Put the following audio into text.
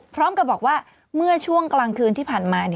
พร้อมกับบอกว่าเมื่อช่วงกลางคืนที่ผ่านมา